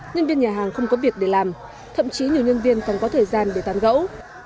nhân viên nhà hàng không có việc để làm thậm chí nhiều nhân viên còn có thời gian để tán gẫu